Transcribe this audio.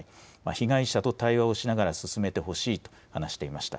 被害者と対話をしながら進めてほしいと話していました。